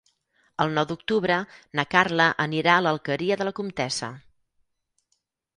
El nou d'octubre na Carla anirà a l'Alqueria de la Comtessa.